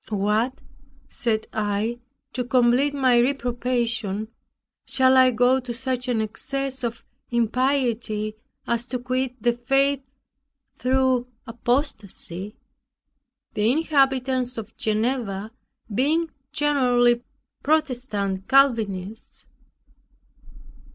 "What," said I, "to complete my reprobation, shall I go to such an excess of impiety, as to quit the faith through apostacy? (The inhabitants of Geneva being generally Protestant Calvinists.)